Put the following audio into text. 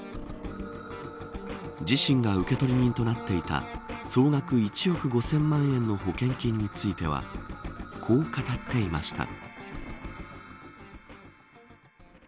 自身が受取人となっていた総額１億５０００万円の保険金についてはこう語っていました。